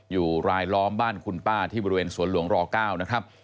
อยู่รายล้อมบ้านคุณป้าที่บริเวณสวนหลวงร๙นะครับ